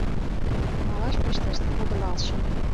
Малаш пыштышт подылалшым.